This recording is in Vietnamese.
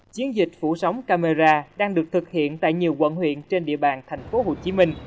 chiến dịch phủ sóng camera đang được thực hiện tại nhiều quận huyện trên địa bàn tp hcm